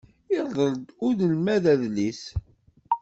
Irḍel-d unelmad adlis.